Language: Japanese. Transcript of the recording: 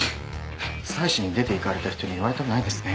妻子に出ていかれた人に言われたくないですね。